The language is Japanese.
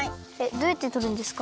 どうやってとるんですか？